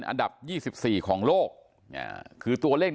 อันดับ๒๔ของโลกคือตัวเลข